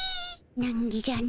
なんぎじゃの。